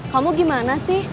kamu gimana sih